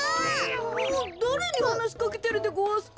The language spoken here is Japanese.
だれにはなしかけてるでごわすか？